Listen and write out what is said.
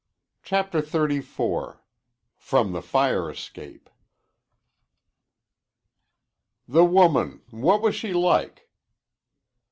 CHAPTER XXXIV FROM THE FIRE ESCAPE "The woman what was she like?"